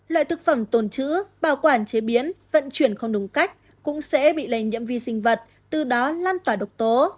loại thực phẩm tồn chữ bảo quản chế biến vận chuyển không đúng cách cũng sẽ bị lây nhiễm vi sinh vật từ đó lan tỏa độc tố